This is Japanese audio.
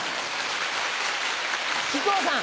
木久扇さん。